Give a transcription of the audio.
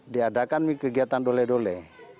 diadakan kegiatan dole dole